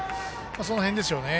その辺でしょうね。